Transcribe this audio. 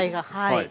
はい。